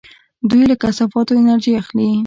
دوی له کثافاتو انرژي اخلي.